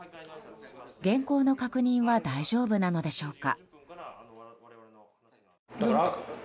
原稿の確認は大丈夫なのでしょうか。